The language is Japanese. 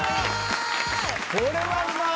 これはうまい！